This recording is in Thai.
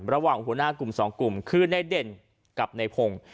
ระหว่างหัวหน้ากลุ่ม๒กลุ่มคือในเด่นกับในพงศ์